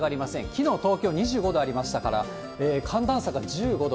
きのう、東京２５度ありましたから、寒暖差が１５度。